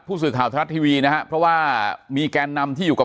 ผู้สื่อข่าวทรัฐทีวีนะฮะเพราะว่ามีแกนนำที่อยู่กับ